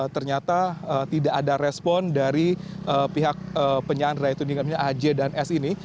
ternyata tidak ada respon dari pihak penyandera yaitu aj dan s ini